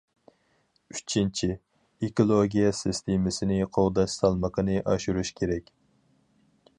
ئۈچىنچى، ئېكولوگىيە سىستېمىسىنى قوغداش سالمىقىنى ئاشۇرۇش كېرەك.